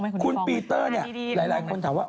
คุณปีเตอร์เนี่ยหลายคนถามว่า